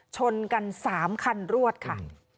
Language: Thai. ชนกัน๓คันรวดค่ะ